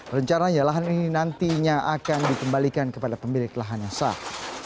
rencananya lahan ini nantinya akan dikembalikan kepada pemilik lahan yang sah